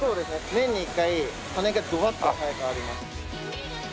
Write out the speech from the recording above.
年に１回羽がドワッと生え変わります。